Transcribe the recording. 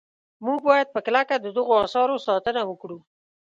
موږ باید په کلکه د دغو اثارو ساتنه وکړو.